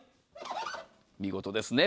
見事ですね。